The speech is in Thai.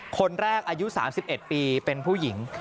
คนแรกอายุ๓๑ปีเป็นผู้หญิง